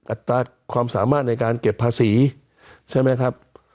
อัตราความสามารถในการเก็บภาษีใช่ไหมครับ